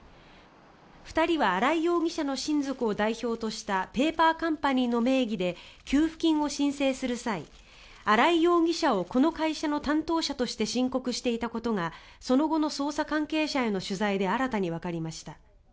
２人は新井容疑者の親族を代表としたペーパーカンパニーの名義で給付金を申請する際新井容疑者をこの会社の担当者として申告していたことがその後の捜査関係者の取材で新たにわかりました。